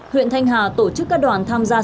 huyện thanh hà tổ chức các đoàn tham gia xuất khẩu